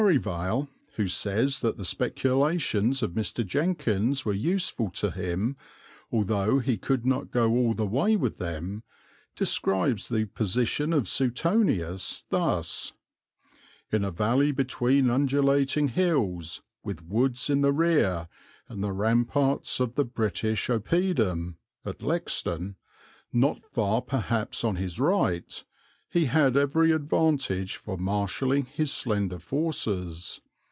Merivale, who says that the speculations of Mr. Jenkins were useful to him, although he could not go all the way with them, describes the position of Suetonius thus: "In a valley between undulating hills, with woods in the rear, and the ramparts of the British oppidum" (Lexden) "not far perhaps on his right, he had every advantage for marshalling his slender forces....